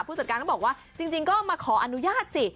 จัดการก็บอกว่าจริงก็มาขออนุญาตสิ